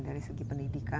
dari segi pendidikan